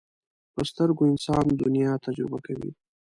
په سترګو انسان دنیا تجربه کوي